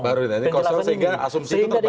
baru ini kosong sehingga asumsi itu terbangun tadi ya